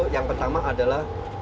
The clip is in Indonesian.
yang pertama adalah